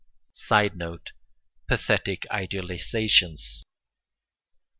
[Sidenote: Pathetic idealizations.